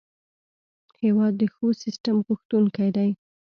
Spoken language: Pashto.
هېواد د ښو سیسټم غوښتونکی دی.